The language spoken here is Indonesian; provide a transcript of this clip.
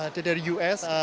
ada dari us